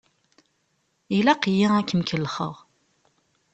Ilaq-iyi ad kem-kellexeɣ!